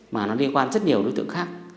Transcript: mà nó liên quan rất nhiều đối tượng khác